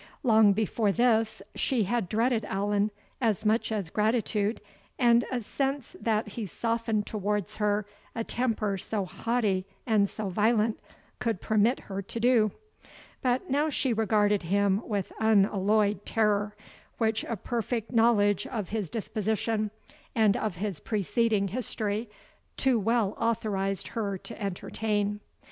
Long before this, she had dreaded Allan, as much as gratitude, and a sense that he softened towards her a temper so haughty and so violent, could permit her to do; but now she regarded him with unalloyed terror, which a perfect knowledge of his disposition, and of his preceding history, too well authorised her to entertain.